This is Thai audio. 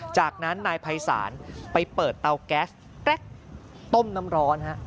จากนั้นนายภัยศาสตร์ไปเปิดเตาแก๊สต้มน้ำร้อน